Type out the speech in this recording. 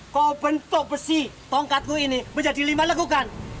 kau bentuk besi tongkatku ini menjadi lima lekukan